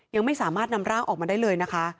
ยังไม่สามารถนำร่างออกมาได้เลยนะคะ